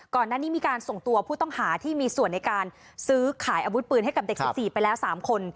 ก่อนหน้านี้มีการส่งตัวผู้ต้องหาที่มีส่วนในการซื้อขายอาวุธปืนให้กับเด็ก๑๔ไปแล้ว๓คน